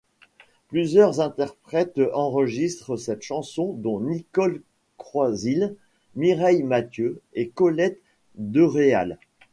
Plusieurs interprètes enregistrent cette chanson, dont Nicole Croisille, Mireille Mathieu et Colette Deréal.